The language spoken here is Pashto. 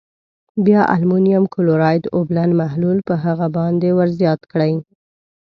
بیا المونیم کلورایډ اوبلن محلول په هغه باندې ور زیات کړئ.